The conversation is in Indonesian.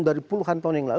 dari puluhan tahun yang lalu